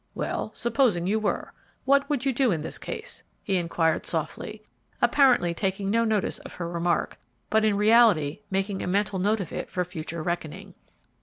"Well, supposing you were, what would you do in this case?" he inquired, softly, apparently taking no notice of her remark, but in reality making a mental note of it for future reckoning.